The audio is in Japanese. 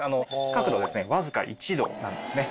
角度はわずか１度なんですね。